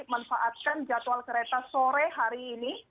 manfaatkan jadwal kereta sore hari ini